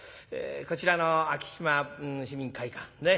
こちらの昭島市民会館ね